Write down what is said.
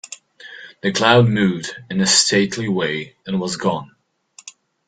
The cloud moved in a stately way and was gone.